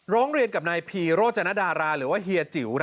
ร้องเรียนกับนายพีโรจนดาราหรือว่าเฮียจิ๋ว